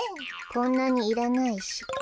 こんなにいらないし。